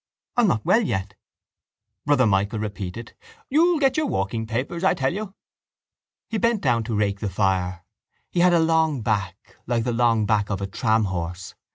I'm not well yet. Brother Michael repeated: —You'll get your walking papers. I tell you. He bent down to rake the fire. He had a long back like the long back of a tramhorse.